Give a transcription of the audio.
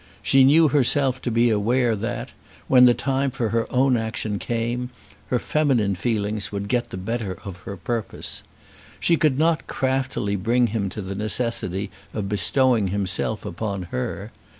She knew herself to be aware that, when the time for her own action came, her feminine feelings would get the better of her purpose. She could not craftily bring him to the necessity of bestowing himself upon her.